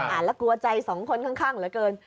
แล้วกลัวใจสองคนข้างเหลือเกิน